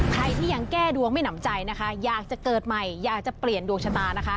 ใครที่ยังแก้ดวงไม่หนำใจนะคะอยากจะเกิดใหม่อยากจะเปลี่ยนดวงชะตานะคะ